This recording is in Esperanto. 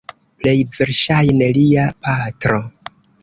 Plej verŝajne lia patro.